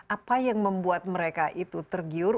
apa yang membuat mereka itu tergiur